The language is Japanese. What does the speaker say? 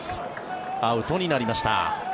アウトになりました。